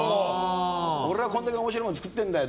俺はこんだけ面白いもの作ってんだよ